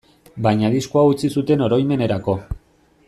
Baina disko hau utzi zuten oroimenerako.